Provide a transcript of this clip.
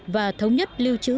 và thống nhất lưu trữ